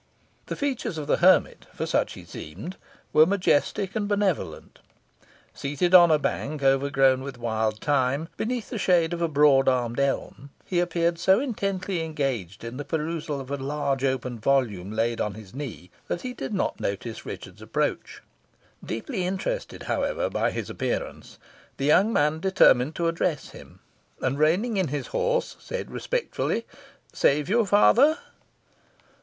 The features of the hermit, for such he seemed, were majestic and benevolent. Seated on a bank overgrown with wild thyme, beneath the shade of a broad armed elm, he appeared so intently engaged in the perusal of a large open volume laid on his knee, that he did not notice Richard's approach. Deeply interested, however, by his appearance, the young man determined to address him, and, reining in his horse, said respectfully, "Save you, father!"